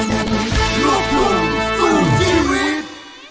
แม่เสียดายจังเสียดายจัง